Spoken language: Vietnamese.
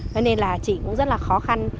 nên là chị cũng rất là khó khăn